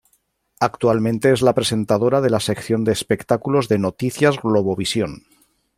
Actualmente es la presentadora de la sección de espectáculos de Noticias Globovisión.